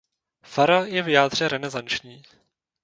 Fara je v jádře renesanční.